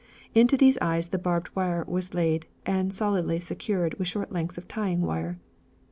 Into these eyes the barbed wire was laid and solidly secured with short lengths of tying wire.